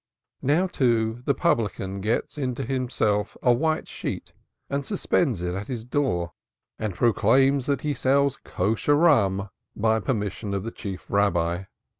Now, too, the publican gets unto himself a white sheet and suspends it at his door and proclaims that he sells Kosher rum by permission of the Chief Rabbi.